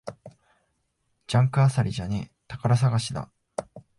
ジャンク漁りじゃねえ、宝探しだ